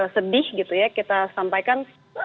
sedih kita sampaikan